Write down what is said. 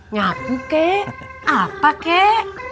ngaku kek apa kek